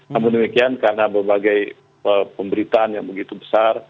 namun demikian karena berbagai pemberitaan yang begitu besar